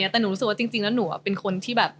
แต่หนูรู้สึกว่าจริงหนูอ่ะ